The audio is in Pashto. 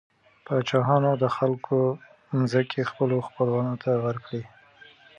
پاچاهانو د خلکو ځمکې خپلو خپلوانو ته ورکړې.